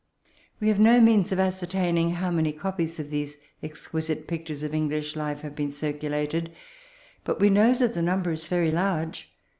. We have no means of ascertaining how many copies of these exquisite pictures of English life have been circulated^ but we know that the number is very large.